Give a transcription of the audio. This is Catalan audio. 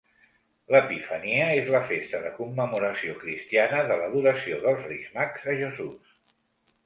L'Epifania és la festa de commemoració cristiana de l'Adoració dels Reis Mags a Jesús.